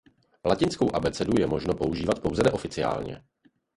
Latinskou abecedu je možno užívat pouze neoficiálně.